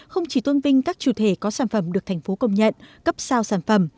không chỉ tôn vinh các chủ thể có sản phẩm được thành phố công nhận cấp sao sản phẩm